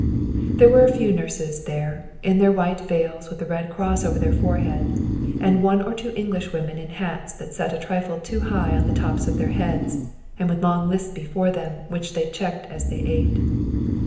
There were a few nurses there, in their white veils with the red cross over the forehead, and one or two Englishwomen in hats that sat a trifle too high on the tops of their heads and with long lists before them which they checked as they ate.